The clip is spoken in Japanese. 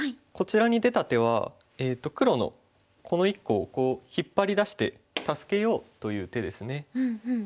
こちらに出た手は黒のこの１個をこう引っ張り出して助けようという手ですね。